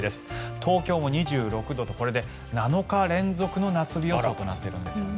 東京も２６度とこれで７日連続の夏日予想となっているんですよね。